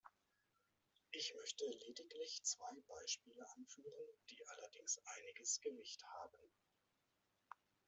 Ich möchte lediglich zwei Beispiele anführen, die allerdings einiges Gewicht haben.